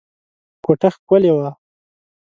کوټه ښکلې وه.